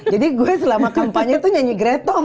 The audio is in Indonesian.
jadi gue selama kampanye itu nyanyi gretong